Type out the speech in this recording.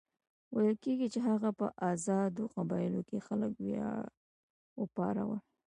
ویل کېږي چې هغه په آزادو قبایلو کې خلک وپارول.